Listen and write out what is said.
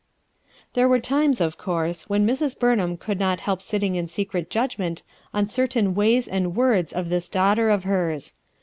There were times, of course, when Mrs. Burn ham could not help sitting in secret judgment on certain ways and words of this daughter of hers.